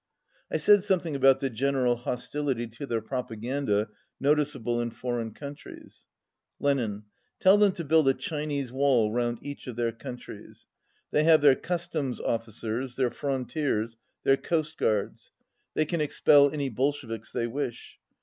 I said something about the general hostility to their propaganda noticeable in foreign countries. Lenin. "Tell them to build a Chinese wall round each of their countries. They have their customs officers, their frontiers, their coast guards. They can expel any Bolsheviks they wish.